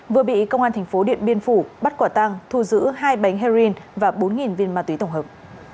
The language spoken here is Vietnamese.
vừa bị công an thành phố điện biên phủ bắt quả tăng thu giữ hai bánh heroin và bốn viên ma túy tổng hợp